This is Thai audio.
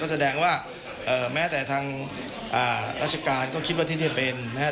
แสดงว่าแม้แต่ทางราชการก็คิดว่าที่นี่เป็นนะฮะ